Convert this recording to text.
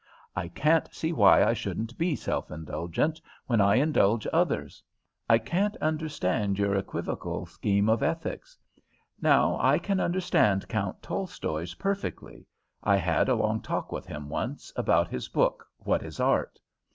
"I can't see why I shouldn't be self indulgent, when I indulge others. I can't understand your equivocal scheme of ethics. Now I can understand Count Tolstoy's, perfectly. I had a long talk with him once, about his book 'What is Art?'